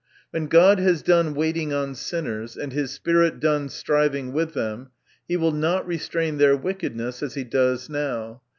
When God has done waiting on sinners, and his Spirit done striving with them, he will not re strain their wickedness, as he does now.